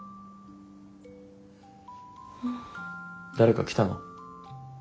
誰か来たの？